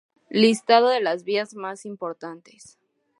Listado de las vías más importantes.